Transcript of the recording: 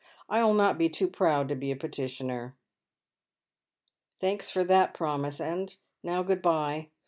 I will not be too proud to be a petitioner." " Thanks for that promise. And now good bye.